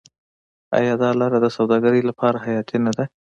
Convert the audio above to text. آیا دا لاره د سوداګرۍ لپاره حیاتي نه ده؟